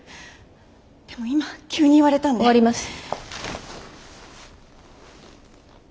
でも今急に言われたんで。終わります。